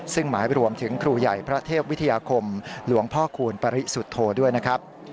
ซึ่งหมายรวมถึงครูใหญ่พระเทพวิทยาคมหลวงพ่อคูณปริสุทธโธด้วยนะครับ